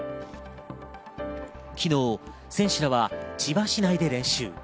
昨日、選手らは千葉市内で練習。